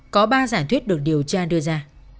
có ba giải thuyết được điều tra đưa ra